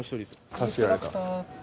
助けられた。